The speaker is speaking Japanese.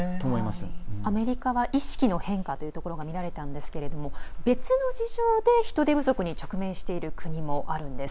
アメリカは意識の変化というところが見られたんですけど、別の事情で人手不足に直面している国もあるんです。